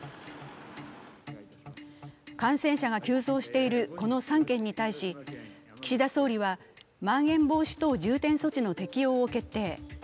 感染者が急増しているこの３県に対し、岸田総理はまん延防止等重点措置の適用を決定。